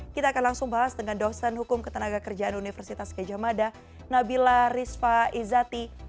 kita akan langsung bahas dengan dosen hukum ketenaga kerjaan universitas kejamada nabila rizfa izati